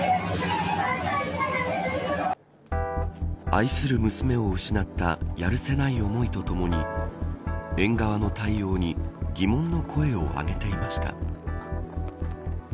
愛する娘を失ったやるせない思いとともに園側の対応に疑問の声を上げていました。